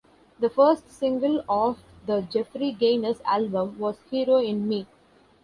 The first single off the "Jeffrey Gaines" album was "Hero In Me".